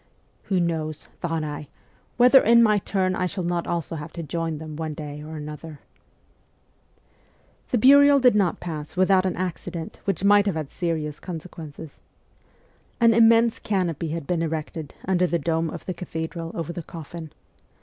' Who knows,' thought I, ' whether in my turn I shall not also have to join them one day or other ?' The burial did not pass without an accident which might have had serious consequences. An immense canopy had been erected under the dome of the cathe dral over the coffin.